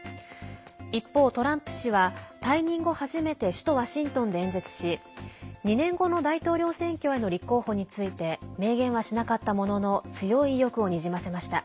一方、トランプ氏は退任後初めて首都ワシントンで演説し２年後の大統領選挙への立候補について名言はしなかったものの強い意欲をにじませました。